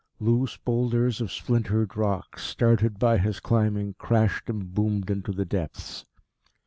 Loose boulders of splintered rock, started by his climbing, crashed and boomed into the depths.